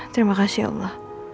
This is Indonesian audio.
terima kasih allah